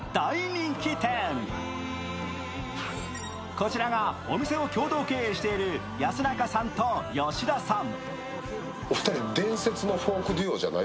こちらがお店を共同経営している安仲さんと吉田さん。